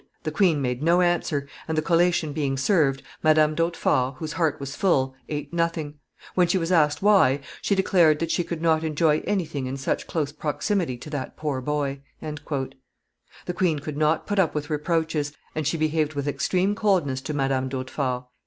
"The queen made no answer, and, the collation being served, Madame d'Hautefort, whose heart was full, ate nothing; when she was asked why, she declared that she could not enjoy anything in such close proximity to that poor boy." The queen could not put up with reproaches; and she behaved with extreme coldness to Madame d'Hautefort.